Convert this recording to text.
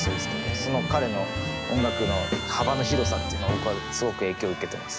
その彼の音楽の幅の広さっていうのを僕はすごく影響を受けてます。